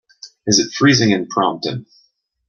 is it freezing in Prompton